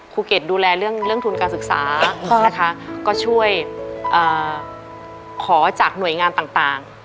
เกรดดูแลเรื่องทุนการศึกษานะคะก็ช่วยขอจากหน่วยงานต่าง